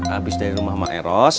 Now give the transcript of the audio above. abis dari rumah mah eros